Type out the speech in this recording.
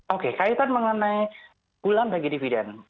oke kaitan mengenai bulan bagi dividen